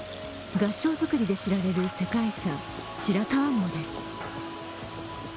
合掌造りで知られる世界遺産、白川郷です。